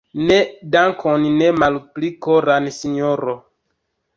Ne, dankon ne malpli koran, sinjoro.